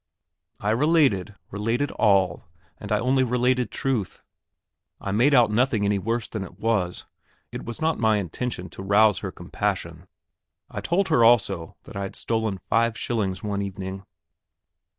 I related related all and I only related truth. I made out nothing any worse than it was; it was not my intention to rouse her compassion. I told her also that I had stolen five shillings one evening.